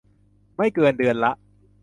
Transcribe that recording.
ไม่เกินเดือนละ